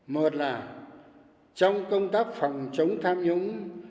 một là trong công tác phòng chống tham nhũng